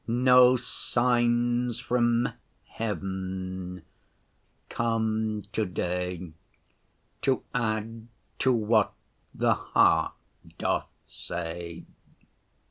No signs from heaven come to‐day To add to what the heart doth say.